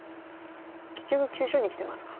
結局急所にきてますか。